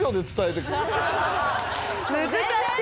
難しい。